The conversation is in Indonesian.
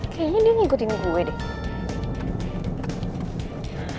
kayaknya dia ngikutin gue deh